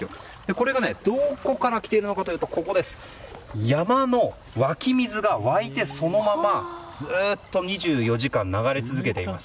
これがどこから来ているのかというと山の湧き水が湧いてそのまま、ずっと２４時間流れ続けているんです。